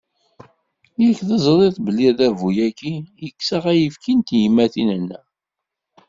Yak tezriḍ belli adabu-agi, yekkes-aɣ ayefki n tyemmatin-nneɣ.